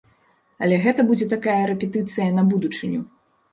Але гэта будзе такая рэпетыцыя на будучыню.